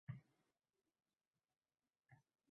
Eh, qaniydi, uning shunday qudrati bo‘lsa edi